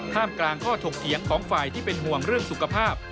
กลางข้อถกเถียงของฝ่ายที่เป็นห่วงเรื่องสุขภาพ